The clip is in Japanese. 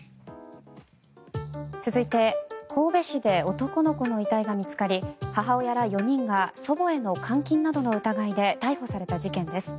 続いて、神戸市で男の子の遺体が見つかり母親ら４人が祖母への監禁などの疑いで逮捕された事件です。